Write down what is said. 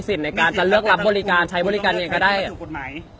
กินเท่าไหร่ขอราคาก่อนขอราคาก่อนเท่าแพงก็เรียกทักซี่